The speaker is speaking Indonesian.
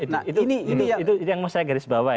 nah itu yang saya garis bawah